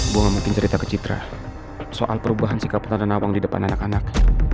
gue gak mungkin cerita ke citra soal perubahan sikap tante nawang di depan anak anak